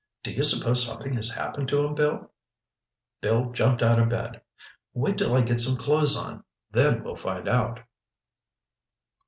Do you s'pose something has happened to him, Bill?" Bill jumped out of bed. "Wait till I get some clothes on—then we'll find out."